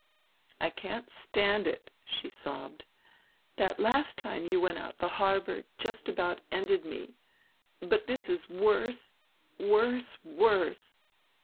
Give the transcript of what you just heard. I can't stand it," she sobbed; "that last time you went out the harbor just about ended me, but this is worse, worse, worse.